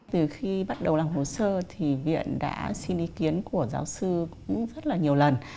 từ khi bắt đầu làm hồ sơ thì viện đã xin ý kiến của giáo sư cũng rất là nhiều lần